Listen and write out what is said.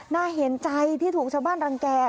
น่าเห็นใจที่ถูกชาวบ้านรังแก่